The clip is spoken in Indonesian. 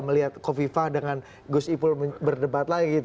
melihat kofifa dengan gus ipul berdebat lagi